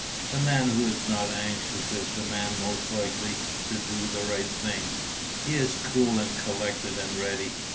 The man who is not anxious is the man most likely to do the right thing. He is cool and collected and ready.